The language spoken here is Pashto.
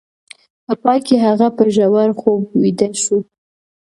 په پای کې هغه په ژور خوب ویده شو